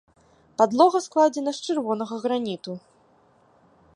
Падлога складзена з чырвонага граніту.